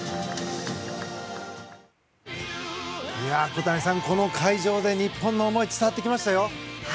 小谷さん、この会場で日本の思いが伝わってきましたよ。